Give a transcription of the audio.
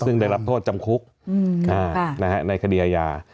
ซึ่งได้รับโทษจำคุกในคดีอาญา